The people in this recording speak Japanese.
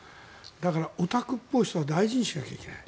だから、オタクっぽい人は大事にしないといけない。